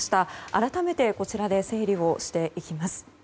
改めてこちらで整理をしていきます。